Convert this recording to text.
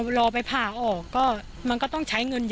ก็กลายเป็นว่าติดต่อพี่น้องคู่นี้ไม่ได้เลยค่ะ